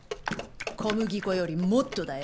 小麦粉よりもっとだよ。